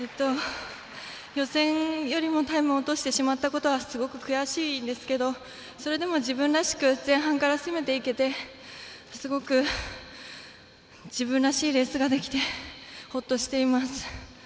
予選よりもタイムを落としてしまったことはすごく悔しいんですけどそれでも自分らしく前半から攻めていけてすごく自分らしいレースができてほっとしています。